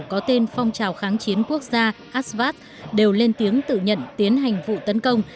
có tên phong trào kháng chiến quốc gia asvat đều lên tiếng tự nhận tiến hành vụ tấn công